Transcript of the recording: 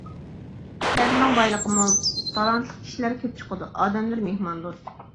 كەنتنىڭ بايلىقى مول، تالانتلىق كىشىلەر كۆپ چىقىدۇ، ئادەملىرى مېھماندوست.